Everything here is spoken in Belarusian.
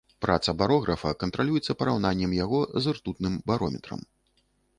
Праца барографа кантралюецца параўнаннем яго з ртутным барометрам.